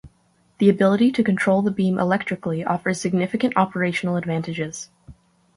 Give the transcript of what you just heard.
The ability to control the beam electrically offers significant operational advantages.